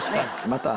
また。